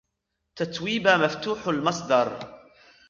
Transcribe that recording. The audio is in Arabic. تتويبا مفتوح المصدر.